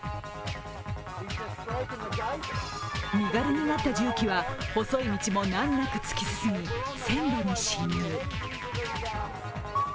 身軽になった重機は細い道も難なく突き進み、線路に侵入。